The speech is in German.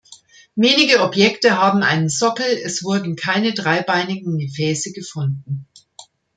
Wenige Objekte haben einen Sockel, es wurden keine dreibeinigen Gefäße gefunden.